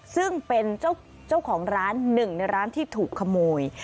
ซึ่งเป็นเจ้าของร้านหนึ่งในร้านที่ถูกขโมย